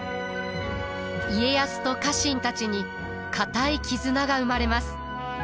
家康と家臣たちに固い絆が生まれます。